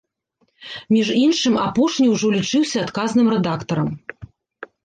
Між іншым, апошні ўжо лічыўся адказным рэдактарам.